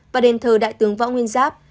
và đền thờ đại tướng võ nguyên giáp